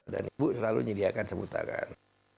dan ibu selalu menyediakan sebutan kan